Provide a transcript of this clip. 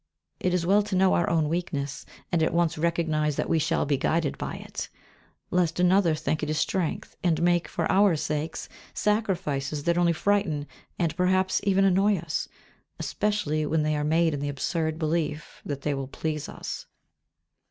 It is well to know our own weakness, and at once recognise that we shall be guided by it; lest another think it is strength, and make, for our sakes, sacrifices that only frighten and perhaps even annoy us, especially when they are made in the absurd belief that they will please us.